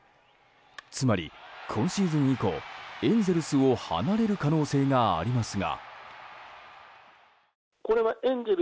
つまり、今シーズン以降エンゼルスを離れる可能性がありますが。